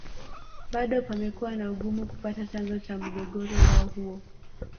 Bado pamekuwa na Ugumu kupata chanzo cha mgogoro wao huo